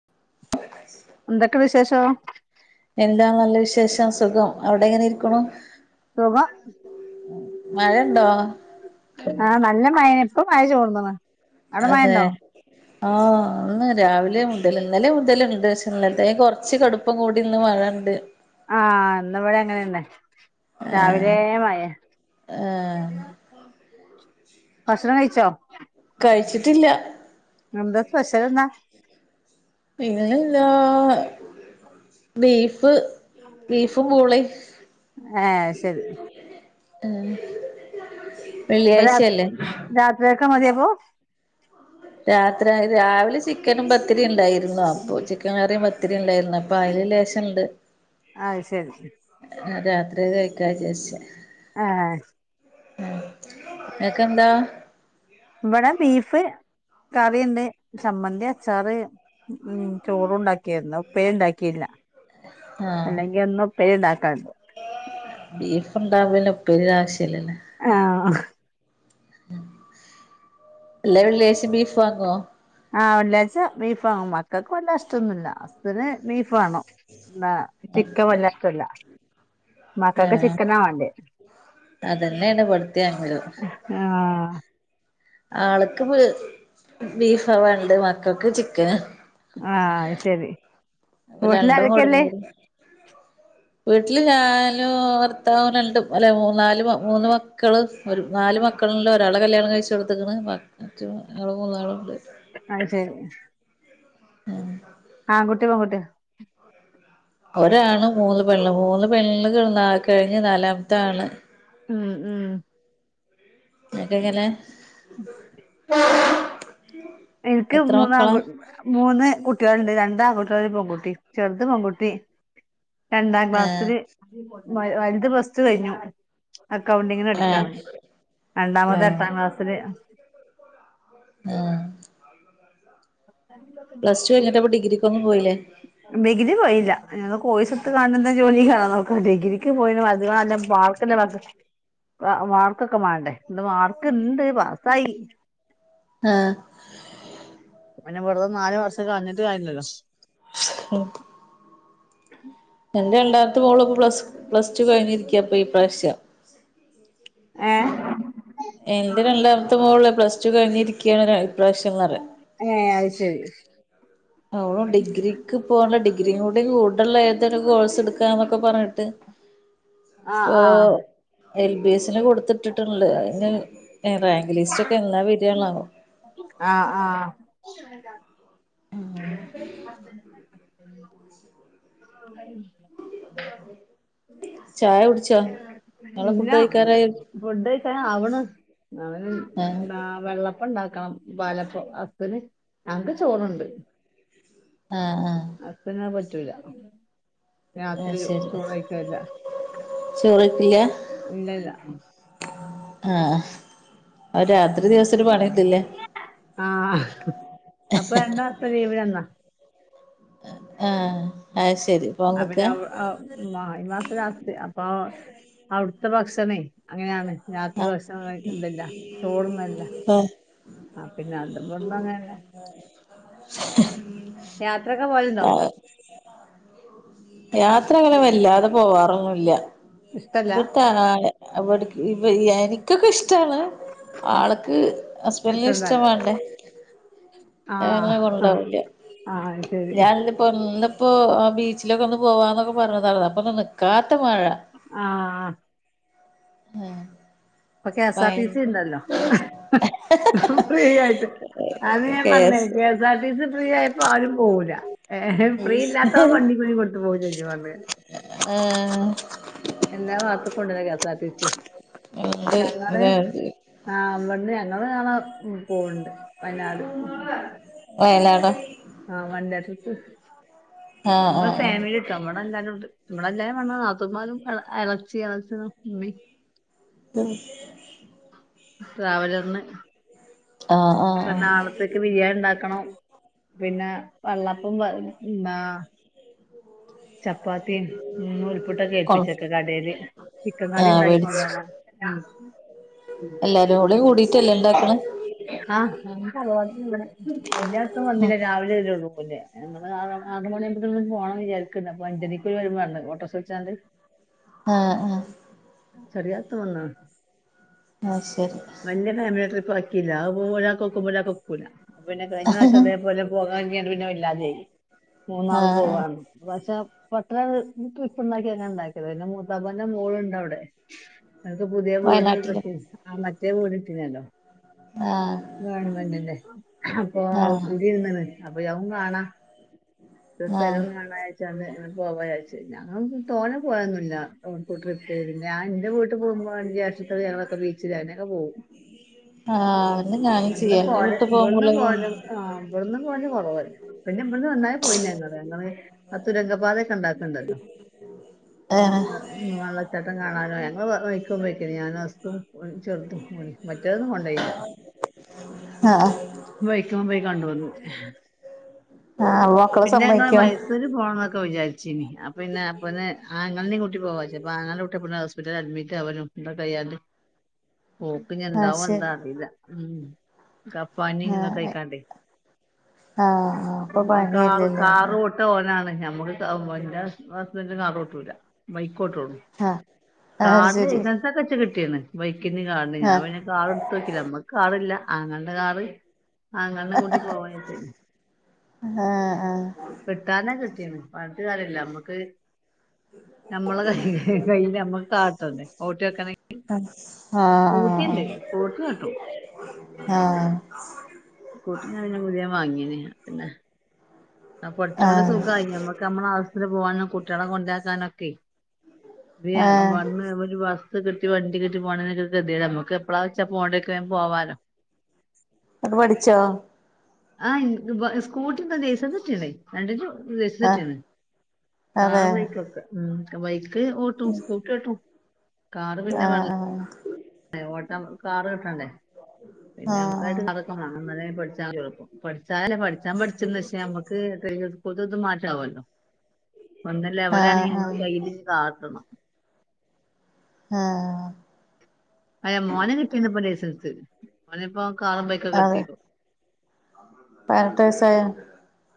[unintelligible] എന്തൊക്കെ വിശേഷം എന്താ നല്ല വിശേഷം സുഖം അവിടെ എങ്ങനെ ഇരിക്കുണു സുഖം മഴയുണ്ടോ ആഹ് നല്ല മഴന ഇപ്പ മഴ ചോർന്നണ് അവിടെ അതെ മഴണ്ടോ ആഹ് ഇന്ന് രാവിലെ മുതൽ ഇന്നലെ മുതൽ ഇണ്ട് ഇന്നലത്തെ കൊറച്ച് കട ഇപ്പം കൂടിന്ന് മഴണ്ട് ആഹ് ഇന്നിവിടെ അങ്ങനെന്നെ രാവിലെ മഴാ ആഹ് ഭക്ഷണം കഴിച്ചോ കഴിച്ചിട്ടില്ല എന്താ സ്പെഷ്യൽ എന്താ പിന്നല്ലാ ബീഫ് ബീഫും പൂളേം ഏഹ് അഹ് ശരി ഏഹ് ഇവട രാത്രിക്ക മതിയാ പോ രാത്രി രാവിലെ ചിക്കനും പത്തിരി ഉണ്ടായിരുന്നു അപ്പൊ ചിക്കൻ കറിയും പ ത്തിരി ഉണ്ടായിരുന്നു അപ്പൊ അതില് ലേശം ണ്ട് അഹ് ശരി ആഹ് രാത്രി കഴിക്കാ വിജാരിച്ചേ ആഹ് ആഹ് ഇങ്ങക്കെന്താ ഇവിടെ ബീഫ് കറിണ്ട് ചമ്മന്തി അച്ചാറ് ഉം ചോറു ഉണ്ടാക്കിയരുന്നു ഉപേരി ഉണ്ടാക്കിയില്ല അല്ലെങ്കിൽ എന്നും ഉപ്പേരി ഉണ്ടാക്കൽ ണ്ട്. ബീഫുണ്ടാവുമ്പോ ഇപ്പേരി ന്റെ ആശ്യല്ലല്ലോ ആഹ് ആഹ് എല്ല വെള്ളിയാഴ്ച ബീഫ് വാങ്ങുവോ ആഹ് വെള്ളിയാഴ്ച ബീഫ് വാങ്ങും. മക്കൾക്ക് വല്ല്യ ഇഷ്ടമൊന്നുല്ല. ഹസ്ബന്റ് ബീഫ് വേണം. പിന്ന ചിക്കൻ വല്ലാ ഇഷ്ടല്ല ആഹ് അതന്നെയാണ് ഇവിടുത്തെ അങ്ങേരും ആഹ് ആൾക്ക് ബീഫാ വേണ്ടത് മക്കൾക്ക് ചിക്കൻ ആഹ് അഹ് ശരി അപ്പൊ വീട്ടില് രണ്ടും ആരൊക്കെല്ലേ കൊട്ന്നെരും വീട്ടില് ഞാനും ഭർത്താവും രണ്ടു അല്ലെ മൂ നാല് മൂന്ന് മക്കളും മക്കളും. ഒരു നാല് മക്കളില് ഒരാളെ കല്യാണം കഴിച്ചു കൊടുത്തേക്കണ്. മറ്റേ മൂന്നാളുണ്ട് അത് ശരി [unintelligible] പെൺകുയാ ഒരാണ് മൂന്ന് പെണ്ണ്. മൂന്ന് പെണ്ണുകൾ കഴിഞ്ഞ്. നാലാമത്തെ ആണ് ഉം ഉം ഇങ്ങക്കെങ്ങനെ ഇനിക്ക് മൂന്ന് ആൺ... മൂന്ന് കുട്ടികളുണ്ട്. രണ്ട് ആൺകുട്ടികളും, ഒരു പെൺകുട്ടിയും. ചെറുത് പെൺകുട്ടി രണ്ടാം ആഹ് ക്ലാസ്സില്. വലുത് പ്ലസ്ടു കഴിഞ്ഞു. അക്കൗണ്ടിങ്ങിന് ആഹ് പഠിക്കാണ്. രണ്ടാമത്തെ ആഹ് എട്ടാം ക്ലാസ്സില് ആഹ് [inaudible] പ്ലസ് ടു കഴിഞ്ഞിട്ടപ്പം ഡിഗ്രിക്കൊന്നും പോയിേല്ലേ ഡിഗ്രി പോയില്ല. പിന്നെ കോഴ്സ് എടുത്ത് കാണുന്ന ജോലിയിൽ നോക്കണം ഡിഗ്രിക്ക് പോയാല് അധിക നല്ല പിന്നെ മാർക്കൊക്കെ മാണ്ടേ. മാർക്ക് ഇണ്ട് പാസ്സായി ആഹ് പിന്നെ വെറുതെ നാല് വർഷം കളഞ്ഞിട്ട് കാര്യല്ലല്ലോ. ഉം എന്റെ രണ്ടാമത്തെ മോള് പ്ലസ്, പ്ലസ്ടു കഴിഞ്ഞിരിക്ക. ഇപ്പൊ ഈ പ്രാശ്യം ഏഹ് എന്റെ രണ്ടാമത്തെ മോള് പ്ലസ്ടു കഴിഞ്ഞിരിക്ക കാണിപ്രാവശ്യംന്ന് പറയ ഏഹ് അത് ശരി അവൾ ഡിഗ്രിക്ക് പോകണ്ട ഡിഗ്രി കൂടെ കൂടുള്ള അങനെത്തെ കോഴ്സ് എടുക്കാന്നൊക്കെ പറഞ്ഞിട്ട് ആഹ് ഇപ്പൊ ആഹ് എൽ ബി എസിന് കൊടുത്തിട്ടിട്ടുണ്ട്. അതിന് റാങ്ക് ലിസ്റ്റ് ഒക്കെ എന്നാ വരാന്നാവോ ആഹ് ആഹ് [inaudible] ഉം കഴിഞ്ഞ് ചായ കുടിച്ചാ ഇല്ല. ഫുഡ് കഴിക്കാൻ ആവണ് ആഹ് എന്താ വെള്ളപ്പണ്ടാക്കണം. പാലപ്പം ഹസിന്. ഞങ്ങക്ക് ചോറുണ്ട് ആഹ് ആഹ് ഹസിനു അത് പറ്റൂല രാത്രി ആഹ് ശരി ചോറ് കഴിക്കലില്ല ചോറ് കഴിക്കില്ല ഇല്ല ഇല്ല ആഹ് അതാ ആഹ് അപ്പൊ എന്താട്ത ലീവ് എന്നാ ആഹ് ആഹ് ശരി പോവാൻ അപിന്ന നിക്കാ ഔഔ മ ഈ മാസം ലാസ്റ്റ് അപ്പൊ അവ് ടത്തെ ഭക്ഷണയ്‌ അങ്ങനെണ് രാത്രി ഭഷണംകഴ്കതില്ല ചോർന്നല്ല ആഹ് ആ പിന്നെഅത്ബ്ട്ന്ന്അങ്ങന്നെ [inaudible] യാത്രക്കെപോല്ണ്ടോ യാത്രങ്ങനെ വല്ലാതെ പോവാറൊന്നുല്ല ഇഷ്ടല്ല? ഇവ്ട്തെ അനാല് ഇവിക്ഇ വയ്യ നിക്കൊക്കെ ഇഷ്ടാണ് ആള്ക്ക് ഹസ്ബൻറ്റിന് ഇഷ്ടൊന്നല്ല. ഇഷ്ടവാണ്ടേ ആ ലനങ്ങളെ ആ കൊണ്ടാവില്ല ആ ശരി. ഞാൻട് ഒന്ന്പ്പോ ആ ബീച്ചിലൊക്കെ ഒന്ന് പോവാന്നൊക്കെ പറഞ്ഞതാണ് അപ്പൊന്ന് നിക്കാത്ത മഴ ആഹ് പ്പകെസാആർടിസി ഭയങ്കര ഇണ്ടല്ലോ ഫ്രീ ആയിട്ട് അത് ന്നെ പറഞ്ഞേ കേസ് കെസാആർടിസി ഫ്രീ ആയപ്പോ ആരുംപൊകുല ഏ ഫ്രീ ഇല്ലാത്തവൻവണ്ടികൂലികൊട്ത്ത്പോ വും ശെരിക്കും പറഞ്ഞെ ഏഹ് എല്ലാ ഭാഗത്ത് കുണ്ടലൊ കെസാർടിസി ഉണ്ട് ഇത് ആ വിടുന്ന് ഞങ്ങള് നാളെ പൊണ്ട് വയനാട് വയലാട് ആഹ് വണ്ടേട്രിപ്പ് ആഹ് ആഹ് ഞങ്ങൾഫാമിലി നമ്മടെ എല്ലാരുണ്ട് ഇങ്ങള് എല്ലാരും വന്നന്നാതുമാരും ഇളച്ചി ഇളച്ചനും ഉമ്മി ഉ ട്രാവലറിന് ആഹ് ആഹ് ആഹ് പ്പ ആഹ് നാളത്തേക്ക് ബിരിയാണി ഉണ്ടാക്കണോ പിന്നെ വെള്ളപ്പം [unintelligible] ചപ്പാതീം നൂൽ പ്പുട്ടൊക്കെ കൊ ഏൽപ്പിച്ചക്ക കടെല് ചിക്കൻ കറിഇ ആഹ് വേടിച്ച് ണ്ടാക്കിക്കൊണ്ടോണം ആഹ് എല്ലാരും കൂടി കൂടിട്ട്ല്ലെഇണ്ടാക്ക്‌ണ് ആഹ് ഞങ്ങൾ തറവാട്ടില്ണ്ട് ഉണ്ടീന് റെഡിയാക്കാൻ വന്നില്ല രാവിലെ വരുള്ളു [unintelligible] ഞങ്ങള് ആറ് മണിയുമ്പോത്തേ പോണം വിചാരിക്കണ്ട് അഞ്ചരക്ക് വരുമ്പ ഓട്ടോ റിക്ഷ വിളിച്ചാണ്ട് ആഹ്അഹ് റെഡിയാക്കാൻ വന്ന ആ ശരി വല്ല്യ ഫാമിലി ട്രിപ്പാക്കില അത് പ്പോ ഒരാൾക്ക് ഒക്കൂ മ്പൊ ഒരാൾക്ക് ഒകൂലഅപ്പൊ പിന്നെ കഴിഞ്ഞ പ്രാവിശം അതേപോലെ പോകാര്ങ്ങിട്ട്പിന്നടവല്ലാതെയി ആഹ് ആഹ് മൂന്നാളുംപോവാന്ന്പറഞ്ഞു പക്ഷെ പട്ട ട്രിപ്പ് ഇണ്ടാക്കിങ്ങനെ ഇ ണ്ടാക്കിയത് പിന്നെ മുതാപ്പന്റെ മോൾണ്ട് അവിടെ അത് വയനാട്ടില് പുതിവീട്കെകിട്ടിആമറ്റേവീട് കിടിലല്ലോ ആഹ് ഗവൺമെന്റ്ന്റെ ആഹ് അപ്പൊഅവകുടിര്ന്നി ണ് അപ്പൊ അതുംകാണാം ആഹ് ആഹ് ഇന്റെസ്ഥലോം കാണാര്തി തനെ പോവ വിചാരിച്ച് ഞങ്ങ തോനെ പോയൊന്നുല്ലട്രിപ്പ് ഞാൻന്റെ വീട്ട് പോകുമ്പോന്ന് വിചാരിച്ച് ഞങ്ങളൊക്കെ ബീച്ചില്ക്കെ പോവും അതന്നെ ഞാനും ഇവട്ന്ന് ചെയ്യാ എന്റെ പോല് വീട്ടി ഇവട്ന്ന് പോകുമ്പോളേ പോല് ആഹ്ബ്ട്ന്ന്പോകല്കൊറവ് പിന്നെ ഇബ്ട്ന്ന് ന്നായി പോയിന്നങ്ങള് അത്തതുരങ്കപാതഒക്കെഇണ്ടാക്ണ് ണ്ടല്ലോ ഏഹ് വെള്ളച്ചാട്ടം കാണാന്ഞങ്ങവയ് ക്കപെയ്ക്കണ് ഞാനുംഹസ്സും ചെറ്തുമറ്റേതൊന്നും കൊണ്ടോയില്ല ആഹ് ബൈക്ക്‌ മെപോയികണ്ട്പോന്നു ആഹ് മക്കള് സമ്മതിക്കോ പിന്നെങ്ങള്മൈ ര് പോണം എന്നൊക്കെ വിചാരിചീ നി പിന്നെ അപ്പൊ പിന്നെ ആങ്ങങ്ങളനിം കൂട്ടി പോവാച്ച അപ്പൊ ആങ്ങളുടെ പെണ്ണ്ഹോസ്പിറ്റലിൽ അഡ്മിറ്റാവലും പോക്ക് ഇനിയെന്താ ആഹ് ശരി ന്നറിയില്ല ഉം അപ്പ ആഹ് പനിന്നൊകഴിക്കാണ്ടേ ആഹ് അപ്പൊ കാർ പനിയല്ലല്ലേ കാറോ ഇ ഓനാണ് നമ്മക്ക് എന്റെ ഹസ്ബന്റ് കാറോട്ടുംല്ല ബൈക്കോട്ടോള്ളൂ ആഹ് ആഹ് കാറിന് ശരി ലൈസൻസസ്ക്കെച്ച് കിട്ടിയണ് ബൈക്കിന് കാർനിം ഞാൻ ആഹ് പിന്നെ കാർ എടുതോക്കില്ല നമ്മക്ക് കാറി ല്ല ആങ്ങളുടെ കാർ ആങ്ങളുടെ കൂട്ടി പോവാൻ വെച്ചാല് ആഹ് ആഹ കിട്ടാനെ കിട്ടീന്ന് പറഞ്ഞിട്ട് കാര്യല്ല നമ്മുക്ക് നമ്മളെ കൈ കയ്യിൽ നമ്മുക്ക് കാർട്ടണ്ടേ ഒട്ടിയോക്കാണെങ്കിൽ വെക്കണമെങ്കിൽ ആഹ് സ്കൂട്ടി ഉണ്ട് സ്കൂട്ടി ഓട്ടും ആഹ് സ്കൂട്ടി പിന്നെ ഞാൻ പുതിയത് വാങ്ങിയിരുന്നു പിന്നെ ആ പടിച്ചച്ചോണ്ട് സുഗായി നമ്മക്ക് നമ്മള ആവശ്യത്തിന് പോവാനും കുട്ടികളെ കൊണ്ടാക്കാനൊക്കെ ആഹ് ആഹ് അതെ ആഹ് ഈഅങ്കമ്പാ ടീമ്പ് ഒരു വ കിട്ടി വണ്ടിട്ടി പോണെതില്ല നമുക്ക് എപ്പോഴാ പോവേണ്ട് വച്ചാ പോ വാലോ നിങ്ങള് പഠിച്ചോ ആഹ സ്കൂട്ടിണ്ടോ ലൈസൻസ് കിട്ടീക്ക്ണ് രണ്ട് ആഹ് [unintelligible] ആഹ് കാർ ബൈക്കൊക്കെ ഉം ബൈക്ക് ഓട്ടും സ്കൂട്ടി ഓട്ടും ആഹ ഏ ഓട്ടം കാറ് കിട്ടണ്ടേ പിന്നെ ആഹ് നമുക്കായിട്ട് അതൊക്കെമാണം പഠിച്ചാനെളുപ്പം പഠിച്ചാലല്ലേ പഠിച്ചാൻ പഠിച്ചന്ന് പക്ഷേ നമ്മുക്ക് ഡ്രൈവിംഗ് സ്കൂൾതും ഇതും മാറ്റാവല്ലോ ഒന്ന് ലെവലാണെങ്ക നമ്മള് കയ്ൽ കാറട്ടണം ആഹ അ മോനെ കിട്ടീന്നപ്പൊ ലൈസൻസ് മോനെ ഇപ്പോ കാറും ബൈക്കൊക്കെ അതെ എട്തീന്നു പതിനെട്ട് വയസ്സായോ?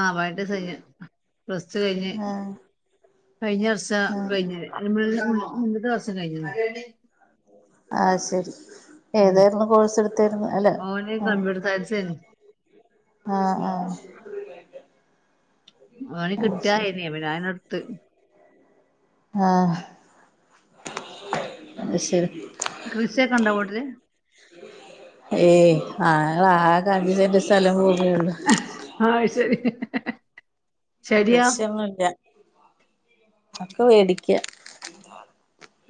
ആഹ പൈനട്ട് വയസ്സ് കഴിഞ്ഞ് പ്ലസ് ടു കഴിഞ്ഞു ആഹ് കഴിഞ്ഞ വർഷം ആഹ് കഴിഞ്ഞത് [unintelligible] മുൻപത്തെ വർഷം കഴിഞ്ഞത് ആഹ ശരി ഉം ഏതായിരുന്നു കോഴ്സ് എടുത്തരുന്നു അല്ല ഓന് ഉം കമ്പ്യൂട്ടർ സയൻസേനി ആഹ ആഹ ഓന് കിട്ടിയായിന പിന്നെ അതന്നെ ഇടുത്ത് ആഹ അയ് ശരി കൃഷിയൊക്കെ ഉണ്ടോ വീട്ടില് ഏയ് ആ ആകഞ്ച് സെന്റ് സ്ഥലം ഭൂമിയൊള്ളു. ആഹ ശരി ഹ് ഹ് കൃഷ്യൊന്നുല്ല ഒക്കെ മേടിക്ക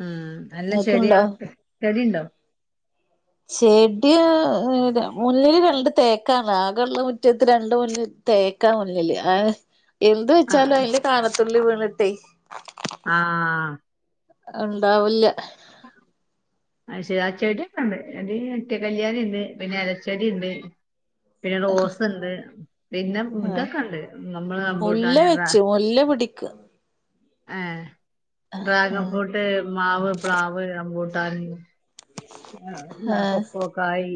ആ അല്ല ചെടിയ ചെടിണ്ടോ ചെടിയ മുന്നില് രണ്ട് തേക്കാണ് ആകെയുള്ള മുറ്റത്ത് രണ്ട് മുന്നിൽ തേക്കാ മുന്നില് എന്ത് വെച്ചാലും ആഹ് അതിന്റെ കാണത്തുള്ളി വീണിട്ടെ ആഹ ഉണ്ടാവില്ല ആ ശരി ച്ചെടിഒക്കെ ഉണ്ട് എന്റയ് നിത്യ കല്യാണി ഉണ്ട് പിന്നെ ഇലച്ചെടി ഉണ്ട് പിന്നെ റോസ്ണ്ട് പിന്നെ ആഹ് ഇതൊക്കെ ഉണ്ട് മുല്ല നമ്മള്റമ്പോട്ടാനൊക്കെ വെച്ചു മുല്ല പിടി [unintelligible] ഹ ഡ്രാഗൺ ഫ്രൂട്ട് മാവ് പ്ലാവ് റം മ്പൂട്ടാന് ആ എന്നാ ആഹ് കൊക്കോക്കായ്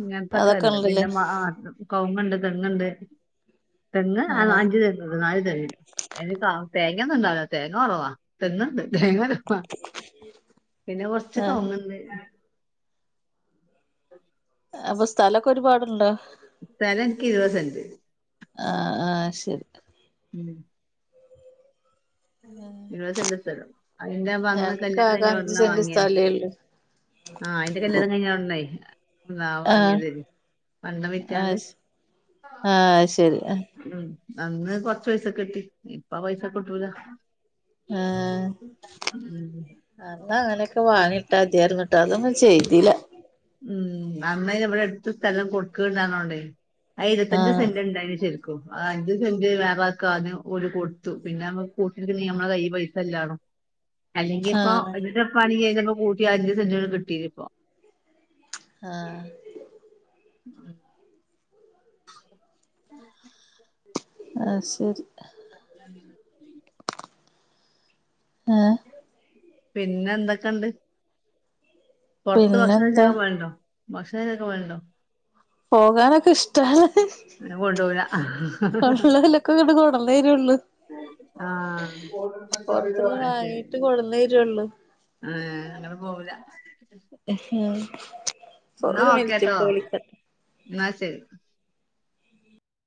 ഇങ്ങനത്തൊക്കെ അതൊക്കെ ഉണ്ട് ഉണ്ടല്ലേ പിന്നെ മാ കൗങ്ങുണ്ട് തെങ്ങുണ്ട് തെങ്ങ് ആഹ് അഞ് പതിനാല് തെങ്ങ് അയ്ല് തേങ്ങ ഒന്നുംണ്ടാവുല്ല തേങ്ങ കുറവാ തെങ്ങ്ണ്ട് തേങ്ങ പിന്നെ കൊറച്ച് ആഹ് കൗങ്ങ്ണ്ട് [inaudible] അപ്പൊ സ്ഥലൊക്കെ ഒരുപാടുണ്ടോ സ്ഥലം എനിക്ക് ഇരുപ സെന്റ് ആ ആഹ ശരി ഉം ഇരുപത് സെന്റ് സ്ഥലം അതിന്റെ അന്ന് ഞങ്ങക്ക് കല്യാണം ആകെ കഴിഞ്ഞ അഞ്ച് ഉടന സെന്റ് വാങ്ങിയ സ്ഥലേ ഉള്ളൂ ആഹ അയിന്റെ കല്യാണം ഉണ്ടായി എന്താ ആഹ് വാങ്ങിയത് പണ്ടം വിറ്റാണ്ട് ആഹ ശരി ഉം അന്ന് കുറച്ച് പൈസക് ട്ടി ഇപ്പ പൈസക്ക് ട്ടൂല ആഹ അന്ന് അങ്ങനെയൊക്കെ വാങ്ങിട്ടാ മതീര്ന്നിട്ടാ അതൊന്നും ചെയ്തില്ല ഉം അന്ന് ഇവിടെ അടുത്ത സ്ഥലം കൊടുക്ക്ണ് ണ്ടാരുന്നോണ്ടേ ആ ഇരുപത്തഞ്ച് ആഹ് സെന്റ് ഇണ്ടായ്ന് ശരി ക്കും അഞ്ച് സെന്റ് വേറള്ളാൾക്ക് ആദ്യം ഓരു കൊടുത്തു പിന്നെ നമ്മക്ക് കൂട്ടീട്ക്കാൻ നമ്മളെ കൈ പൈസ ഇല്ലാല്ലോ അല്ലെങ്കിപ്പോ ആഹ് ഒരുപ്പാണി കഴിഞ്ഞപ്പോ കൂട്ടി അഞ്ച് സെന്റട് കിട്ടിയി ഇപ്പോ ആഹ [inaudible] ആ ശരി. [inaudible] ആ. പിന്നന്തക്കണ്ട്. പൊർത്ത് ഭക്ഷണച്ചാ പിന്നെന്താ പോണ്ടോ. ഭക്ഷണൊക്കെ വേണ്ടോ. പോകാനൊക്കെ ഇഷ്ടാ. അങ്ങനെ കൊണ്ടോവുല്ല. ആഹ് അത് ഇങ്ങട് കൊടന്നേരുള്ളൂ ആ പൊറത്തുന്ന് വാങ്ങീട്ട് കൊടന്നേരുള്ളൂ അങ്ങന പോവൂല. ഒരു മിനിറ്റ് ഇപ്പ വിളികാം. ന്നാ ശരി.